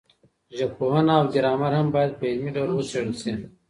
ژبپوهنه او ګرامر هم باید په علمي ډول وڅېړل سي.